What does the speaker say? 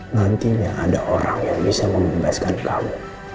nantinya ada orang yang bisa membebaskan laut